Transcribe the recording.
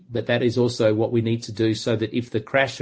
supaya jika penyerangannya terjadi